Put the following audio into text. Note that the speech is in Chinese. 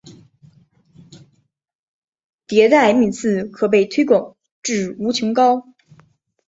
迭代幂次可被推广至无穷高。